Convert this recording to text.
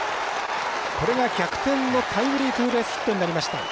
これが逆転のタイムリーツーベースヒットになりました。